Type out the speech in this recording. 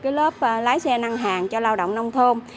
cái lớp lái xe năng hàng cho lao động nông thôn